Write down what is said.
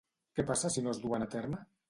Què passa si no es duen a terme?